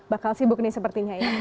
bakal sibuk nih sepertinya ya